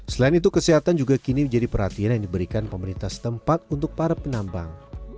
selain itu kesehatan juga kini menjadi perhatian yang diberikan pemerintah setempat untuk para penambang